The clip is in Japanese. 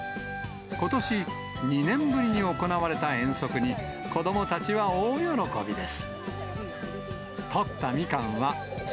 ことし、２年ぶりに行われた遠足に、子どもたちは大喜びです。